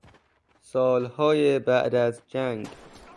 سالهای بعد از جنگ